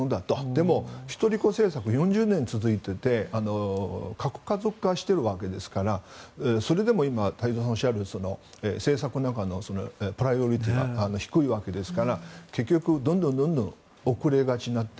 でも、一人っ子政策が４０年続いていて核家族化してるわけですからそれでも今太蔵さんがおっしゃるように政策の中のプライオリティーが低いわけですから結局どんどん遅れがちになって。